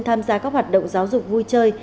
tham gia các hoạt động giáo dục vui chơi